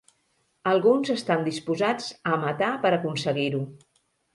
Alguns estan disposats a matar per aconseguir-ho.